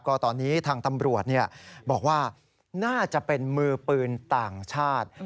ก็ตอนนี้ทางตำรวจบอกว่าน่าจะเป็นมือปืนต่างชาติ